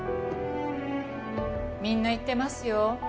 みんな言ってますよ。